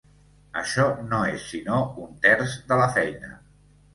Això no és sinó un terç de la feina.